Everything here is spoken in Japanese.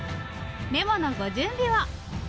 メモのご準備を。